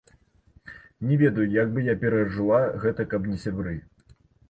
Не ведаю, як бы я перажыла гэта, каб не сябры.